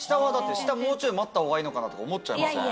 下もうちょい待ったほうがいいのかなと思っちゃいません？